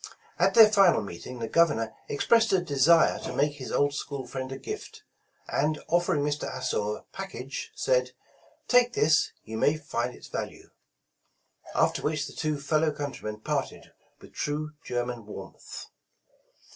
At their final meeting the Governor expressed a de sire to make his old school friend a gift, and offering Mr. Astor a package, said, ''Take this; you may find its value." After which the two fellow countrymen parted with true German warmth.